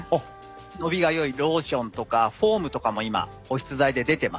伸びがよいローションとかフォームとかも今保湿剤で出てますので。